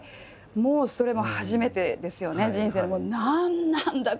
もうそれも初めてですよね人生で。